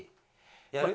やる？